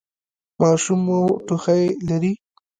ماشوم مو ټوخی لري؟